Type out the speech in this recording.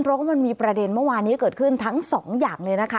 เพราะว่ามันมีประเด็นเมื่อวานนี้เกิดขึ้นทั้งสองอย่างเลยนะคะ